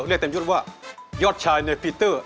เรียกเต็มยดว่ายอดชายในปีเตอร์